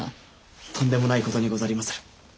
とんでもないことにござりまする。